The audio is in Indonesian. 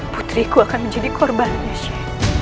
putriku akan menjadi korban ya sheikh